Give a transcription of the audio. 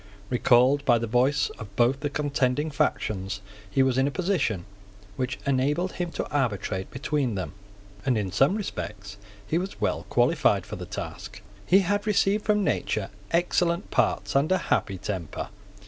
Recalled by the voice of both the contending factions, he was in a position which enabled him to arbitrate between them; and in some respects he was well qualified for the task. He had received from nature excellent parts and a happy temper.